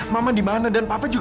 semangat kalau baik baik